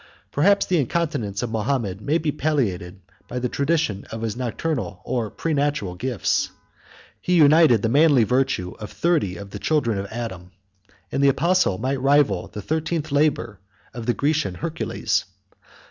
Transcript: Perhaps the incontinence of Mahomet may be palliated by the tradition of his natural or preternatural gifts; 162 he united the manly virtue of thirty of the children of Adam: and the apostle might rival the thirteenth labor 163 of the Grecian Hercules.